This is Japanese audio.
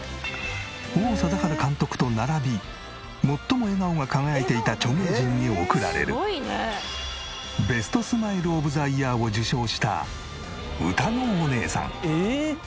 王貞治監督と並び最も笑顔が輝いていた著名人に贈られるベストスマイル・オブ・ザ・イヤーを受賞したうたのおねえさん。